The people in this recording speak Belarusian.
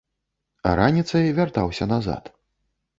А раніцай вяртаўся назад.